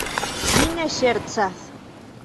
Mi ne ŝercas.